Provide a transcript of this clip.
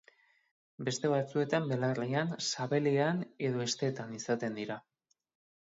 Beste batzuetan belarrian, sabelean edo hesteetan izaten dira.